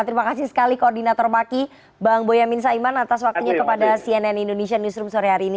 terima kasih sekali koordinator maki bang boyamin saiman atas waktunya kepada cnn indonesia newsroom sore hari ini